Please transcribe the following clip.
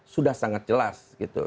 sudah sangat jelas